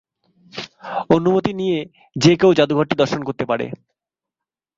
অনুমতি নিয়ে যে কেউ জাদুঘরটি দর্শন করতে পারে।